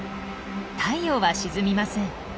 太陽は沈みません。